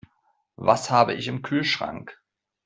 Was habe ich im Kühlschrank?